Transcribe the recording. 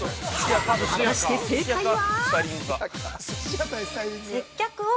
◆果たして正解は？